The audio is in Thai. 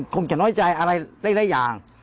คงจะน้อยใจอะไรได้หลายอย่าง